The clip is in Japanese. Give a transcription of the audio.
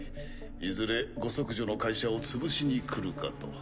いずれご息女の会社を潰しにくるかと。